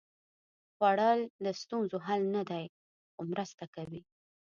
خوړل د ستونزو حل نه دی، خو مرسته کوي